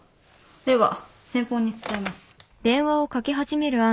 では先方に伝えます。